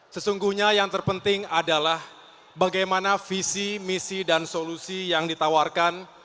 sesungguhnya yang terpenting adalah bagaimana visi misi dan solusi yang ditawarkan